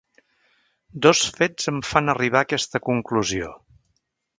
Dos fets em fan arribar a aquesta conclusió.